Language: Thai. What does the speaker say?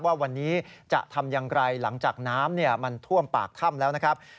ว่าวันนี้จะทำอย่างไรหลังจากน้ำมันท่วมปากถ้ำแล้วนะครับ